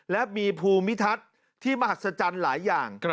และมีภูมิทัศน์ที่มหัศจรรย์หลายอย่าง